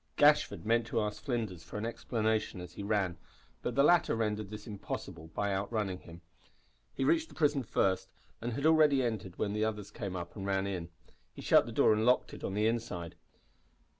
Gashford meant to ask Flinders for an explanation as he ran, but the latter rendered this impossible by outrunning him. He reached the prison first, and had already entered when the others came up and ran in. He shut the door and locked it on the inside.